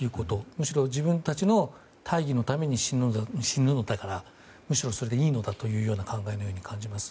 むしろ自分たちの大義のために死ぬのだからむしろそれでいいのだという考えのように感じます。